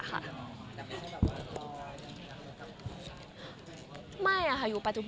อย่างไม่ใช่แบบว่ารออยู่กับคนอื่น